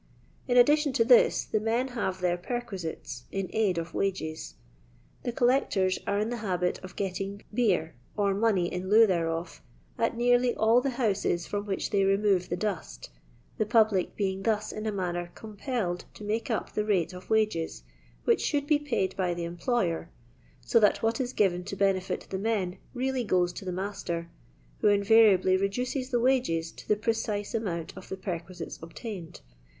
In addition to this, the men have their perquisites " in aid of wages." The collec tors are in the habit of getting beer or money in lieu thereof, at nearly all the houses from which they remove the dust, the public being thus in a manner compelled to make up the rate of wages, which should be paid by the employer, so that what is given to benefit the men really goes to the master, who invariably reduces the wages to the precise amount of the perquisites obtained.